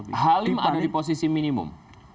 pak halim ada di posisi minimum